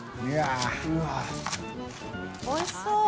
おいしそう！